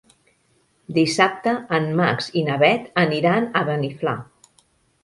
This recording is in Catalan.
Dissabte en Max i na Bet aniran a Beniflà.